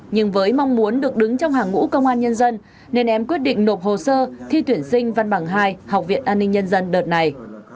nhưng với mong muốn được đứng trong hàng ngũ công an nhân dân nên em quyết định nộp hồ sơ thi tuyển sinh văn bằng hai học viện an ninh nhân dân đợt này